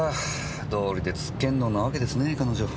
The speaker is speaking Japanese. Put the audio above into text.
どうりでつっけんどんなわけですね彼女。